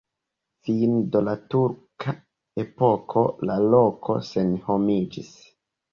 Fine de la turka epoko la loko senhomiĝis.